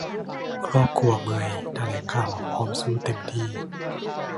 ครอบครัวเมยแถลงข่าวพร้อมสู้เต็มที่